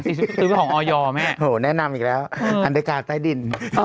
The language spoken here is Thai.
สิบซื้อของออยอร์ไหมโหแนะนำอีกแล้วอืมทันแดกาใต้ดินอ่า